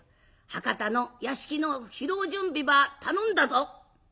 博多の屋敷の披露準備ば頼んだぞ」。